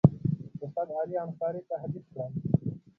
استاد علي انصاري تهدید کړم.